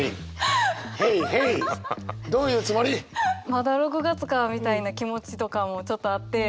まだ６月かみたいな気持ちとかもちょっとあって。